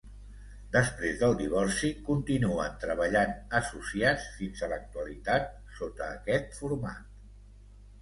Després del divorci continuen treballant associats fins a l'actualitat sota aquest format.